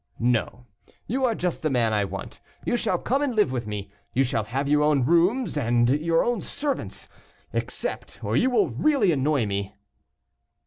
"No; you are just the man I want. You shall come and live with me; you shall have your own rooms, and your own servants; accept, or you will really annoy me."